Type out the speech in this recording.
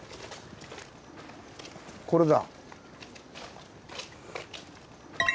これだ。